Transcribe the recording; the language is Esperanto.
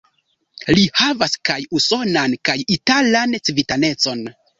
Li havas kaj usonan kaj italan civitanecon.